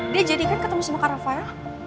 dia jadikan ketemu sama kak rafael